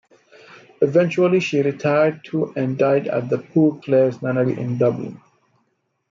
Eventually she retired to and died at the Poor Clares nunnery in Dublin.